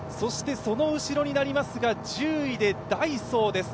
その後ろになりますが１０位でダイソーです